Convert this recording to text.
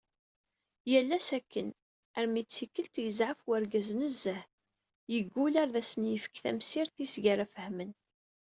Yal ass akken, armi d tikkelt, yezɛef urgaz nezzeh, yeggul ar d asen-yefk tamsirt iseg ara fhemen.